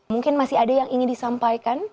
mungkin masih ada yang ingin disampaikan